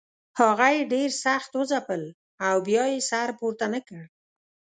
هغه یې ډېر سخت وځپل او بیا یې سر پورته نه کړ.